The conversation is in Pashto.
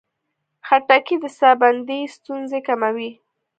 خټکی د ساه بندي ستونزې کموي.